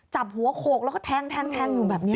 จับหัวโขกแล้วก็แทงอยู่แบบนี้